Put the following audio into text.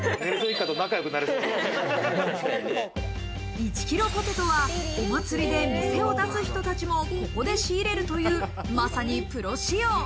１ｋｇポテトはお祭りで店を出す人たちもここで仕入れるというまさにプロ仕様。